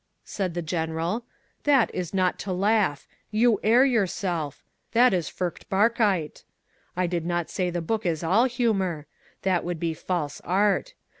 said the General. "That is not to laugh. You err yourself. That is Furchtbarkeit. I did not say the book is all humour. That would be false art.